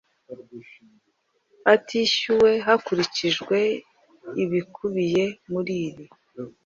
atishyuwe hakurikijwe ibikubiye muri iri